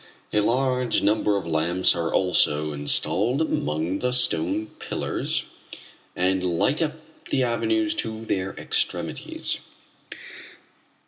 A large number of lamps are also installed among the stone pillars and light up the avenues to their extremities.